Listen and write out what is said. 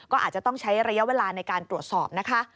ก็อาจจะต้องใช้ระยะเวลาในการตรวจสอบนะคะ